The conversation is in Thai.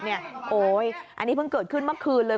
อันนี้เพิ่งเกิดขึ้นเมื่อคืนเลย